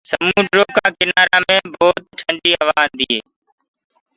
سموندرو ڪآ ڪِنآرآ مي هوآ ڀوت ٽنڊي آندي هي۔